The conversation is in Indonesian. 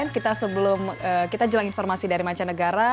kita sebelum kita jelang informasi dari mancanegara